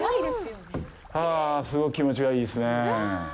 はあ、すごい気持ちがいいですねえ。